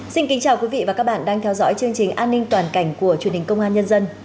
xin kính chào quý vị và các bạn đang theo dõi chương trình an ninh toàn cảnh của truyền hình công an nhân dân